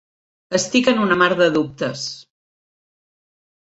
Estic en una mar de dubtes.